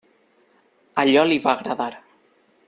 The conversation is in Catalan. Allò li va agradar.